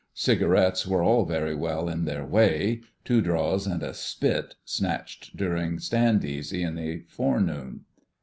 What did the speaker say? Cigarettes were all very well in their way: "two draws and a spit" snatched during stand easy in the forenoon.